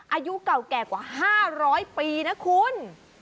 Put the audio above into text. อายุเก่าแก่กว่า๕๐๐ปีนะคุณ